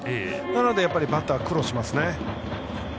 なのでバッターは苦労しますね。